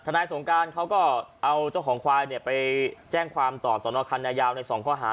นายสงการเขาก็เอาเจ้าของควายไปแจ้งความต่อสนคันนายาวใน๒ข้อหา